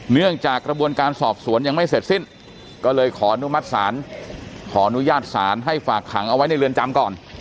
เนื่องจากกระบวนการสอบสวนยังไม่เสร็จสิ้นก็เลยขออนุมัติศาลขออนุญาตศาลให้ฝากขังเอาไว้ในเรือนจำก่อน